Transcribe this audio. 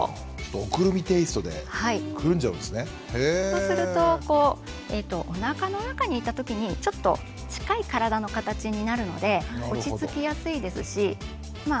そうするとおなかの中にいた時にちょっと近い体の形になるので落ち着きやすいですしま